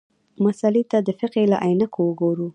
مسألې ته د فقهې له عینکو وګورو.